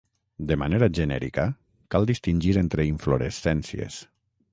De manera genèrica, cal distingir entre inflorescències.